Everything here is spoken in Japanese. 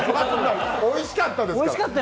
おいしかったです。